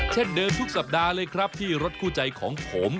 เช่นเดิมทุกสัปดาห์เลยครับที่รถคู่ใจของผม